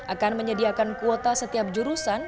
akan menyediakan kuota setiap jurusan